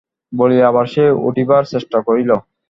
বলিয়া আবার সে উঠিবার চেষ্টা করিল।